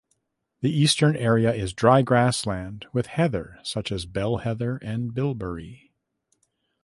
The eastern area is dry grassland with heather such as bell heather and bilberry.